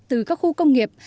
từ các khu công nghiệp